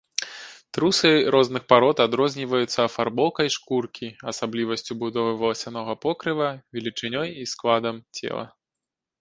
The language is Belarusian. Трусы розных парод адрозніваюцца афарбоўкай шкуркі, асаблівасцю будовы валасянога покрыва, велічынёй і складам цела.